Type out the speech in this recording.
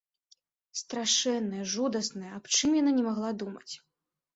Страшэннае, жудаснае, аб чым яна не магла думаць.